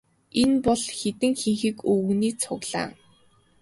Энэ бол хэдэн хэнхэг өвгөний цуглаан.